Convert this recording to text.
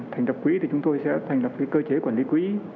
thành đập quỹ thì chúng tôi sẽ thành đập cái cơ chế quản lý quỹ